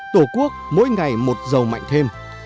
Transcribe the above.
tổ quốc mỗi ngày một giàu mạnh thêm